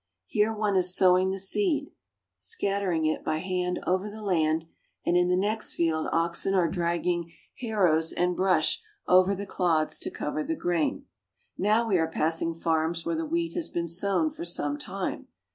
Here one is sowing the seed, scattering it by hand over the land, and in the next field oxen are drag ging harrows and brush over the clods to cover the grain. Now we are passing farms where the wheat has been sown for some time.